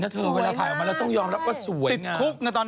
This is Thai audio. แต่สวยเนอะเธอเวลาถ่ายออกมาเราต้องยอมแล้วว่าสวยง่าง